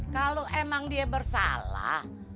kalau emang dia bersalah